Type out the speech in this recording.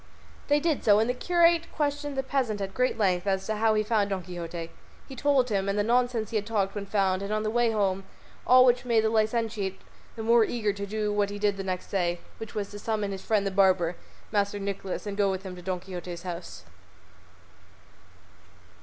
They did so, and the curate questioned the peasant at great length as to how he had found Don Quixote. He told him, and the nonsense he had talked when found and on the way home, all which made the licentiate the more eager to do what he did the next day, which was to summon his friend the barber, Master Nicholas, and go with him to Don Quixote's house.